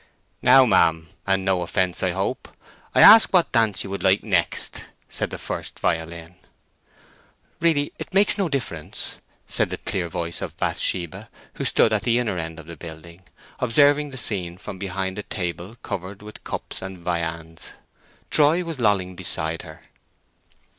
"Now, ma'am, and no offence I hope, I ask what dance you would like next?" said the first violin. "Really, it makes no difference," said the clear voice of Bathsheba, who stood at the inner end of the building, observing the scene from behind a table covered with cups and viands. Troy was lolling beside her.